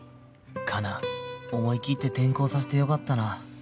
花奈思いきって転校させてよかったな